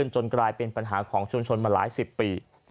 จนกลายเป็นปัญหาของชุมชนมาหลายสิบปี